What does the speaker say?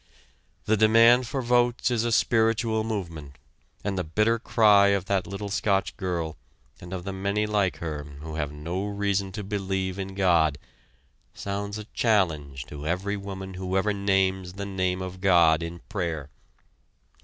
The demand for votes is a spiritual movement and the bitter cry of that little Scotch girl and of the many like her who have no reason to believe in God, sounds a challenge to every woman who ever names the name of God in prayer.